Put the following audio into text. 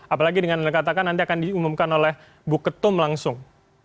apalagi dengan anda katakan nanti akan diumumkan oleh bu ketum langsung